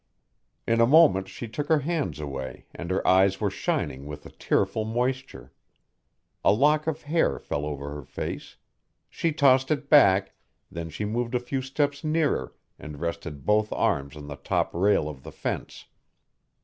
In a moment she took her hands away and her eyes were shining with a tearful moisture. A lock of hair fell over her face. She tossed it back, then she moved a few steps nearer and rested both arms on the top rail of the fence.